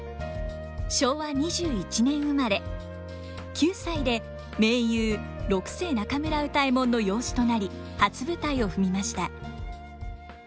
９歳で名優六世中村歌右衛門の養子となり初舞台を踏みました。